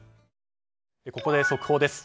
ここで速報です。